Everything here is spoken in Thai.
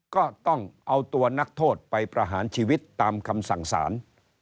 ก็ต้องเอาตัวนักโทษไปประหารชีวิตตามคำสั่งสาร